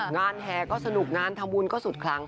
งานแทรก็สนุกงานทำบุญก็สุดครั้งค่ะ